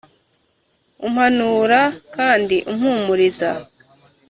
umpanura kandi umpumuliza